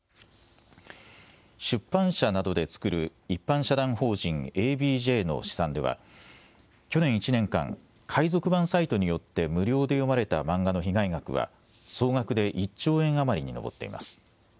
出版社などで作る一般社団法人ＡＢＪの試算では去年１年間、海賊版サイトによって無料で読まれた漫画の被害額は総額で１兆円余りに上っています。